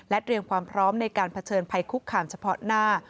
เตรียมความพร้อมในการเผชิญภัยคุกคามเฉพาะหน้า